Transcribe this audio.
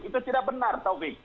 itu tidak benar taufik